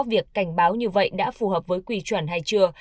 việc cảnh báo như vậy đã phù hợp với quy chuẩn hay chưa